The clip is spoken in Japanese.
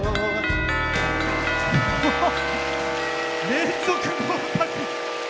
連続合格！